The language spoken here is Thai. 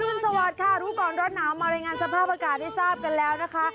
รุนสวัสดิ์รู้ก่อนร้อนหนาวมารายงานสภาพอากาศให้ทราบกันแล้วนะคะ